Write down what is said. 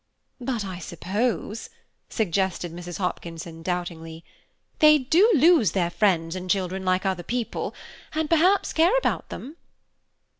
"But, I suppose," suggested Mrs. Hopkinson, doubtingly, "they do lose their friends and children like other people, and perhaps care about them."